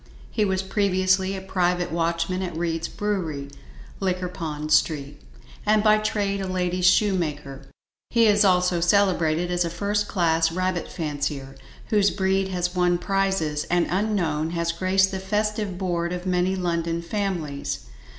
He was previously a private watchman at Reid's brewery, Liquorpond Street, and by trade a lady's shoemaker. He is also celebrated as a first class rabbit fancier, whose breed has won prizes, and unknown, has graced the festive board of many London families.